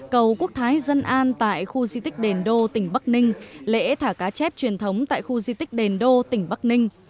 cầu quốc thái dân an tại khu di tích đền đô tỉnh bắc ninh lễ thả cá chép truyền thống tại khu di tích đền đô tỉnh bắc ninh